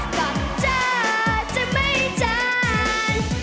กับเธอจะไม่จัน